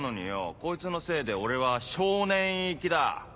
こいつのせいで俺は少年院行きだ。